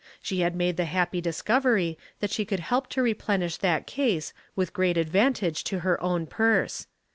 She had made the happy dis covery that she could help to replenish that case with great advantage to her own purse.